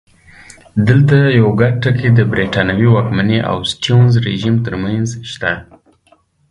دلته یو ګډ ټکی د برېټانوي واکمنۍ او سټیونز رژیم ترمنځ شته.